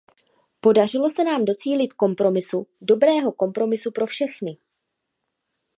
Podařilo se nám docílit kompromisu, dobrého kompromisu pro všechny.